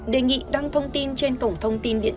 đề nghị đăng thông tin trên cổng thông tin điện tử